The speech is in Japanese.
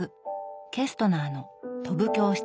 ケストナーの「飛ぶ教室」。